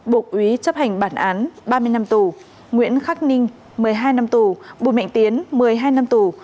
bộ ế chấp hành bản án ba mươi năm tù nguyễn khắc ninh một mươi hai năm tù bùi mạnh tiến một mươi hai năm tù